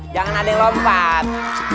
jangan ada lompat